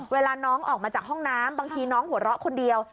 เวลาน้องออกมาจากห้องน้ำบางทีน้องหัวเราะคนเดียว